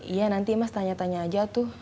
iya nanti mas tanya tanya aja tuh